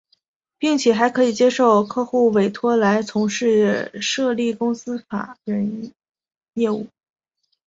并且还可接受客户委托来从事设立公司法人业务。